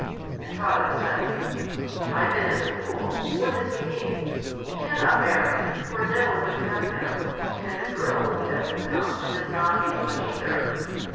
And Taras said, "Ivan is a fool, what does he need? He cannot marry, for no one would have him, and the girl is deaf and dumb and does not need much either."